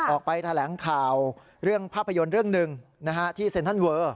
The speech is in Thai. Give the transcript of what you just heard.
ออกไปแถลงข่าวเรื่องภาพยนตร์เรื่องหนึ่งที่เซ็นทรัลเวอร์